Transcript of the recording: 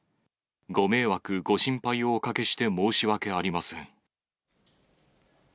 ご迷惑、ご心配をおかけして申し訳ありません。